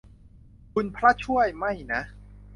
คุณพระช่วย ไม่นะ